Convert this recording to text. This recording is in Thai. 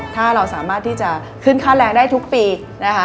ถ้าเราสามารถที่จะขึ้นค่าแรงได้ทุกปีนะคะ